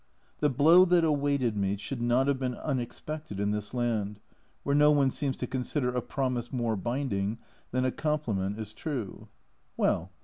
The blow that awaited me should not have been unexpected in this land, where no one seems to con sider a promise more binding than a compliment is true. Well